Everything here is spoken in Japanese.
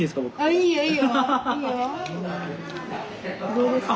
どうですか？